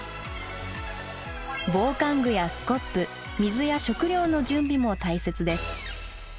防寒具やスコップ水や食料の準備も大切です。